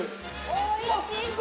おいしそ！